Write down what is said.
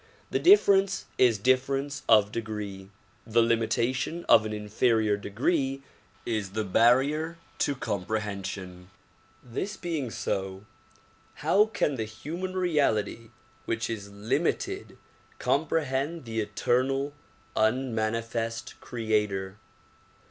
The difference is difference of degree. The limitation of an inferior degree is the barrier to comprehension. This being so, how can the human reality which is limited com prehend the eternal, unmanifest creator?